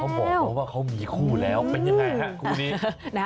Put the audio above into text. บอกมาว่าเขามีคู่แล้วเป็นยังไงฮะคู่นี้